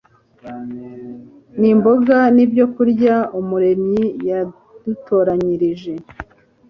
Ni mboga ni byo byokurya Umuremyi yadutoranyirije.